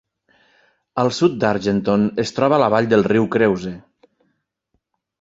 Al sud d'Argenton es troba la vall del riu Creuse.